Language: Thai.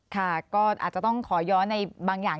ค่ะก็อาจจะต้องขอย้อนในบางอย่าง